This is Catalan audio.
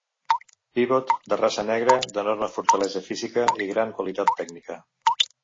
Pivot de raça negra, d'enorme fortalesa física i gran qualitat tècnica.